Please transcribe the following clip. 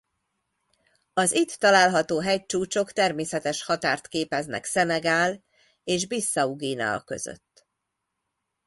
Az itt található hegycsúcsok természetes határt képeznek Szenegál és Bissau-Guinea között.